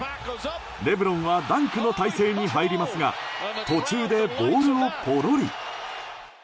レブロンはダンクの態勢に入りますが途中でボールをポロリ。